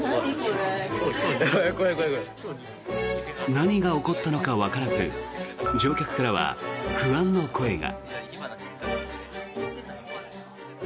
何が起こったのかわからず乗客からは不安の声が。